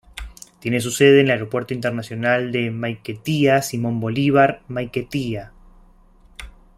Tiene su sede en el Aeropuerto Internacional de Maiquetía Simón Bolívar, Maiquetía.